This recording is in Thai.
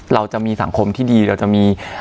เราจะมีสังคมที่ดีเราจะมี